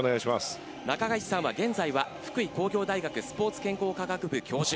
中垣内さんは現在は福井工業大学スポーツ健康科学部教授